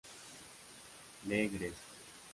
Le Grez